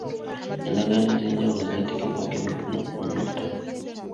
Endagaano ez'enjawulo zaateekebwako emikono okukomya olutalo.